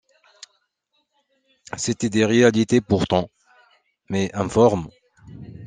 C’étaient des réalités pourtant, mais informes.